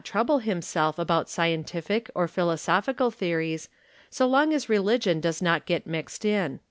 95 trouble himself about scientific or philosophical theories, so long as religion does not get mixed in.